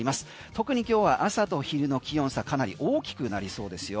特に今日は朝と昼の気温差かなり大きくなりそうですよ。